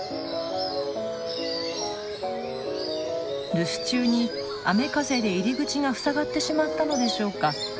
留守中に雨風で入り口が塞がってしまったのでしょうか？